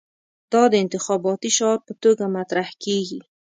دا د انتخاباتي شعار په توګه مطرح کېږي.